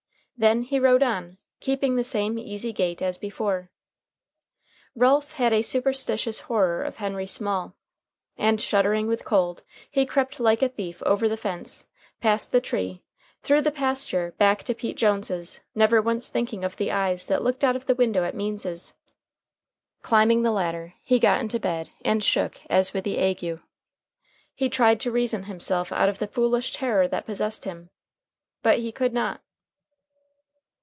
Then he rode on, keeping the same easy gait as before, Ralph had a superstitious horror of Henry Small. And, shuddering with cold, he crept like a thief over the fence, past the tree, through the pasture, back to Pete Jones's, never once thinking of the eyes that looked out of the window at Means's. Climbing the ladder, he got into bed, and shook as with the ague. He tried to reason himself out of the foolish terror that possessed him, but he could not.